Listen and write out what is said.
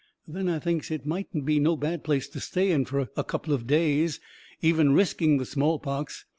Then I thinks it mightn't be no bad place to stay in fur a couple o' days, even risking the smallpox.